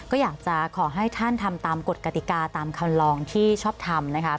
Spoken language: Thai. ก็อยากจะขอให้ท่านทำตามกฎกติกาตามคำลองที่ชอบทำนะคะ